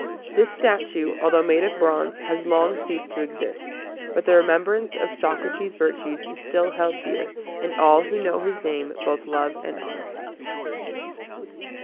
This statue, although made of bronze, has long ceased to exist; but the remembrance of Socrates' virtues is still held dear, and all who know his name both love and honor him.